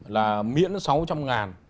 là miễn sáu trăm linh ngàn